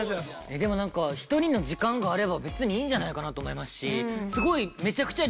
でもなんか１人の時間があれば別にいいんじゃないかなと思いますしすごい。